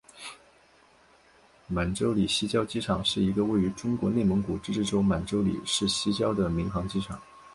满洲里西郊机场是一个位于中国内蒙古自治区满洲里市西郊的民航机场。